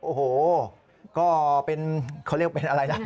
โอ้โหก็เป็นเขาเรียกเป็นอะไรนะ